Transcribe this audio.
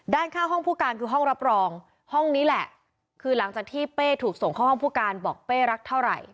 ด้านข้างห้องผู้การคือห้องรับรองห้องนี้แหละคือหลังจากที่เป้ถูกส่งเข้าห้องผู้การบอกเป้รักเท่าไหร่